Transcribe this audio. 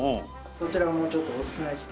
そちらもちょっとおすすめして。